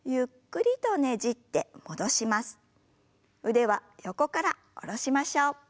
腕は横から下ろしましょう。